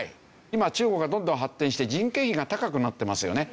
今中国はどんどん発展して人件費が高くなっていますよね。